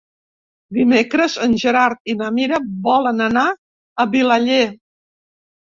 Dimecres en Gerard i na Mira volen anar a Vilaller.